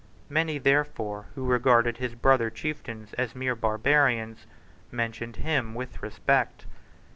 Many, therefore, who regarded his brother chieftains as mere barbarians, mentioned him with respect.